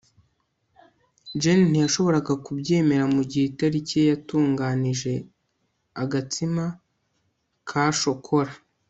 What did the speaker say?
jane ntiyashoboraga kubyemera mugihe itariki ye yatunganije agatsima ka shokora